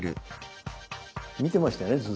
見てましたよね？